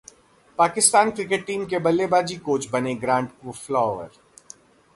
Pakistan cricket team के बल्लेबाजी coach बने ग्रांट फ्लावर